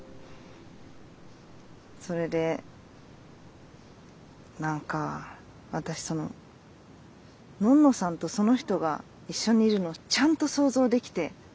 それで何か私そののんのさんとその人が一緒にいるのちゃんと想像できて。